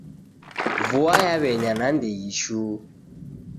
Vua yaw'enya nandighi shuu.